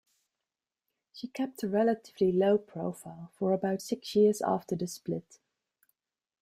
She kept a relatively low profile for about six years after the split.